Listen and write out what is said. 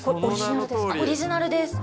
オリジナルですか？